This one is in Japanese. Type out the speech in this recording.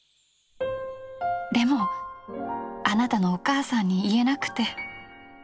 でもあなたのお母さんに云えなくて。